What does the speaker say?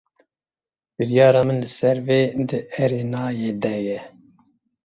Biryara min li ser vê di erênayê de ye.